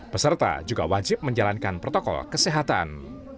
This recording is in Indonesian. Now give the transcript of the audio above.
peserta juga wajib menjalankan protokol kesehatan